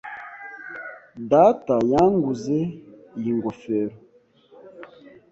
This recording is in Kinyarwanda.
Data yanguze iyi ngofero.